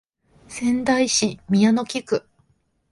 仙台市宮城野区